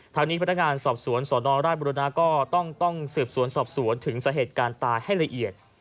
ทางนี้พนักงานสอบสวนสนราชบุรณะก็ต้องสืบสวนสอบสวนถึงสาเหตุการณ์ตายให้ละเอียด